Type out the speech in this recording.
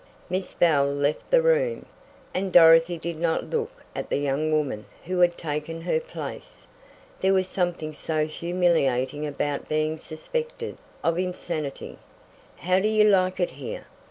Miss Bell left the room, and Dorothy did not look at the young woman who had taken her place. There was something so humiliating about being suspected of insanity! "How do you like it here?"